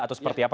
atau seperti apa